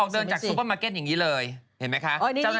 เดินจากซูเปอร์มาร์เก็ตอย่างนี้เลยเห็นไหมคะ